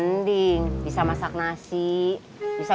neng mau belajar share voila